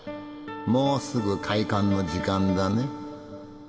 もうすぐ開館の時間だね。